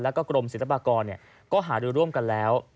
และกรมศิลปากรก็หารวมกันแล้ว